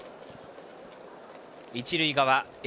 一塁側Ａ